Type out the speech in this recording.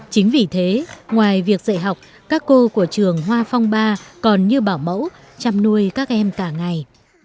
chính vì thế ngoài việc dạy học các cô của trường hoa phong ba còn như bảo mẫu chăm nuôi các em cả ngày